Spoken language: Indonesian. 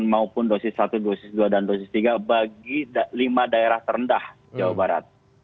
maupun dosis satu dosis dua dan dosis tiga bagi lima daerah terendah jawa barat